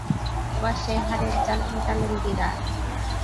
এবার সেই হারের জ্বালা মেটালেন দিদার।